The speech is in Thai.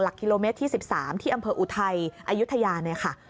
หลักคที่๑๓ที่อำเภออุทัยอายุธยาเนี่ยค่ะ